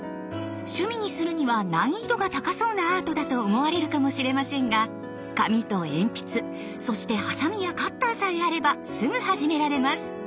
趣味にするには難易度が高そうなアートだと思われるかもしれませんが紙と鉛筆そしてハサミやカッターさえあればすぐ始められます！